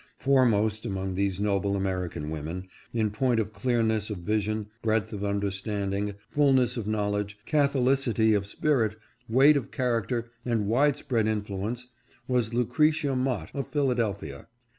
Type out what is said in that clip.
Fore most among these noble American women, in point of clearness of vision, breadth of understanding, fullness of knowledge, catholicity of spirit, weight of character, and widespread influence, was Lucretia Mott of Philadel phia.